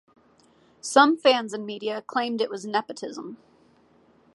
Some fans and media claimed it was nepotism.